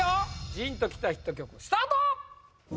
ジーンときたヒット曲スタート！